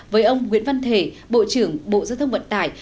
với ông nguyễn văn thể bộ trưởng bộ giao thông vận tải